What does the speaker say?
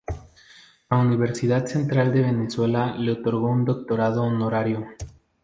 La Universidad Central de Venezuela le otorgó un doctorado honorario.